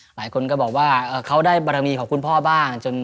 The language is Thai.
หลายคนก็บอกว่าเขาได้บารมีของคุณพ่อบ้าง